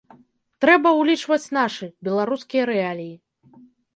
Трэба ўлічваць нашы, беларускія рэаліі.